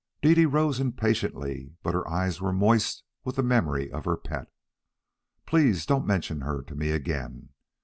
Dede rose impatiently, but her eyes were moist with the memory of her pet. "Please don't mention her to me again.